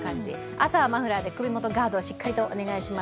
朝はマフラーで首元ガードをしっかりとお願いします。